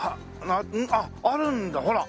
あっあるんだほら！